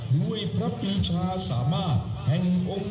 สวัสดีครับทุกคน